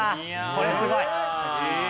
これすごい。